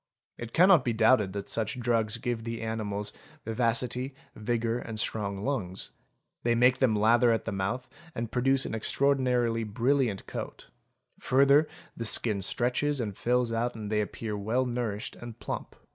It cannot be doubted that such drugs give the animals vivacity, vigour, and strong lungs; they make them lather at the mouth, and produce an extraordinarily brilliant coat; further the skin stretches and fills out and they appear well nourished and plump.